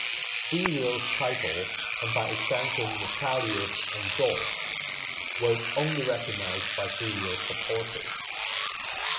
Cyril's title, and by extension Natalia's and George's, were only recognised by Cyril's supporters.